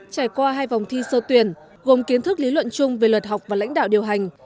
trải qua hai vòng thi sơ tuyển gồm kiến thức lý luận chung về luật học và lãnh đạo điều hành